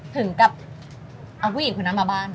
ถึงกับเอาผู้หญิงคนนั้นมาบ้าน